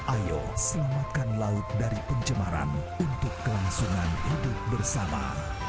ayo selamatkan laut dari pencemaran untuk kelangsungan hidup bersama